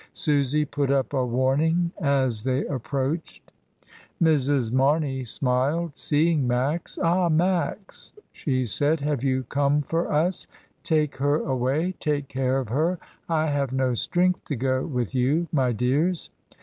Susy put up a warning as they approached. Mrs. Mamey smiled, seeing Max. "Ah, Max," she said, "have you come for us? Take her away; take care of her. I have no strength to go with you, my dears.